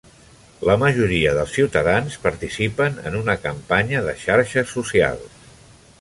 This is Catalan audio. La majoria dels ciutadans participen en una campanya de xarxes socials.